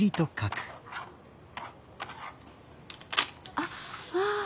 あっああ